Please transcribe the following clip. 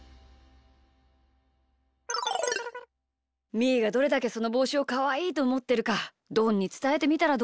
みーがどれだけそのぼうしをかわいいとおもってるかどんにつたえてみたらどうかな？